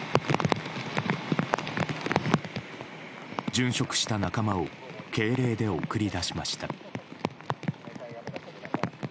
殉職した仲間を敬礼で送り出しました。